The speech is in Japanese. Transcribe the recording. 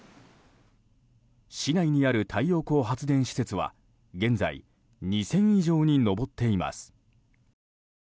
市内にある太陽光発電施設は現在２０００以上に上っています。